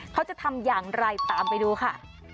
เขาจะทำอย่างไรตามไปดูค่ะ